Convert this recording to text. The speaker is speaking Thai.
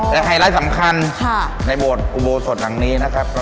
แต่ไฮไลท์สำคัญในบวชบวดสดหลังนี้นะครับก็คือ